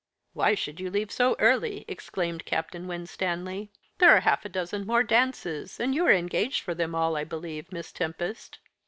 "Why should you leave so early?" exclaimed Captain Winstanley. "There are half a dozen more dances, and you are engaged for them all, I believe, Miss Tempest."